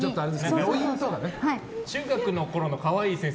中学のころの可愛い先生